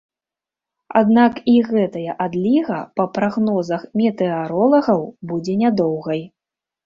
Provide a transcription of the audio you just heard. Аднак і гэтая адліга, па прагнозах метэаролагаў будзе нядоўгай.